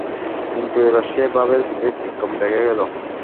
কিন্তু এবার সে ভাবের ব্যতিক্রম দেখা গেল।